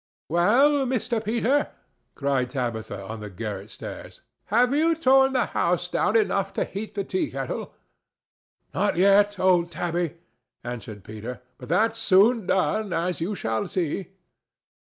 "Well, Mr. Peter!" cried Tabitha, on the garret stairs. "Have you torn the house down enough to heat the teakettle?" "Not yet, old Tabby," answered Peter, "but that's soon done, as you shall see."